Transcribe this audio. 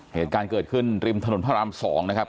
เหตุการณ์เกิดขึ้นริมถนนพระราม๒นะครับ